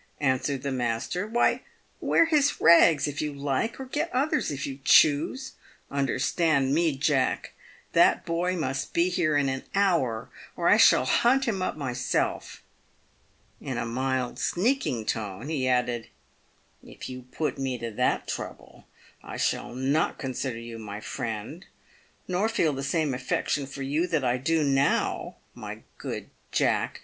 answered the master ;" why, wear his rags, if you like, or get others, if you choose. Understand me, Jack — that boy must be here in an hour, or I shall hunt him up myself." In a mild, sneaking tone, he added, " If you put me to that trouble, I shall not consider you my friend, nor feel the same affection for you that I do now, my good Jack.